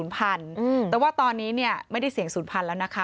แต่ว่าตอนนี้ไม่ได้เสี่ยง๐๐แล้วนะคะ